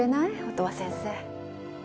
音羽先生